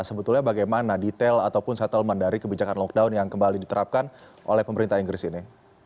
sebetulnya bagaimana detail ataupun settlement dari kebijakan lockdown yang kembali diterapkan oleh pemerintah inggris ini